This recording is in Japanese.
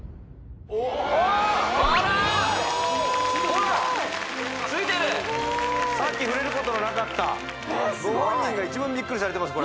おおっあら・ほらついてるすごーいさっき触れることのなかったご本人が一番ビックリされてます